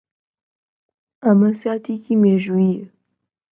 ئەمە ساتێکی مێژوویییە.